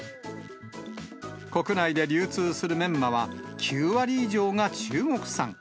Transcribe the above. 国内で流通するメンマは、９割以上が中国産。